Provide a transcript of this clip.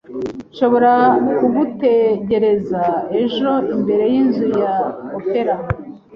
Nshobora kugutegereza ejo imbere yinzu ya opera?